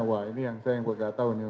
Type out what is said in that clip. wah ini yang saya gak tau